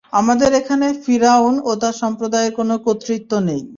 আমাদের এখানে ফিরআউন ও তার সম্প্রদায়ের কোন কর্তৃত্ব নেই।